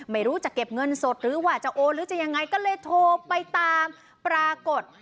ไม่รู้จะเก็บเงินสดหรือว่าจะโอนหรือจะยังไงก็เลยโทรไปตามปรากฏ